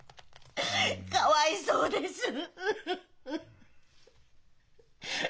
かわいそうです。